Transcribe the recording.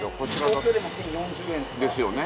東京でも１０４０円とかですので。ですよね。